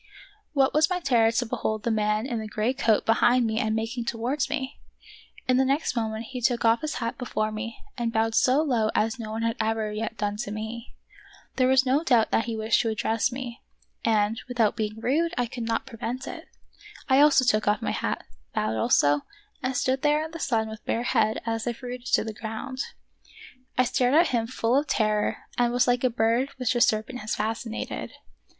What was my terror to behold the man in the gray coat behind me and making towards me ! In the next moment he took off his hat before me and bowed so low as no one had ever yet done to me. There was no doubt but that he wished to address me, and, without being rude, I could not prevent it. I also took off my hat, bowed also, and stood there in the sun with bare head as if rooted to the ground. I stared at him full of terror and was like a bird which a serpent has fascinated.